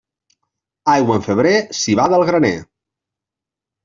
Aigua en febrer, civada al graner.